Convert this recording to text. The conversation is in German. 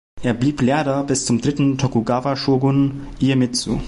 Er blieb Lehrer bis zum dritten Tokugawa-Shogun Iemitsu.